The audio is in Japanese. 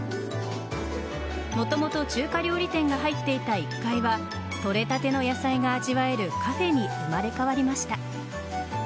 もともと中華料理店が入っていた１階は採れたての野菜が味わえるカフェに生まれ変わりました。